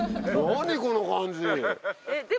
何この感じ。